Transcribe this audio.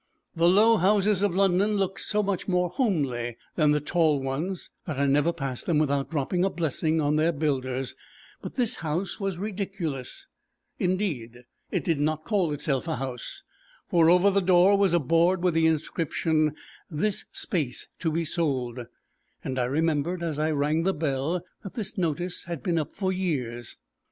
The low houses of London look so much more homely than the tall ones that I never pass them without dropping a blessing on their builders, but this house was ridiculous; indeed it did not call itself a house, for over the door was a board with the inscription "This space to be sold," and I remembered, as I rang the bell, that this notice had been up for years.